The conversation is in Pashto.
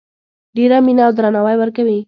ډیره مینه او درناوی ورکوي